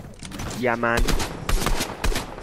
یمن